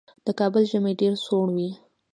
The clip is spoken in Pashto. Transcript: د کابل ژمی ډېر سوړ وي.